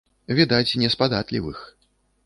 Відаць, не з падатлівых.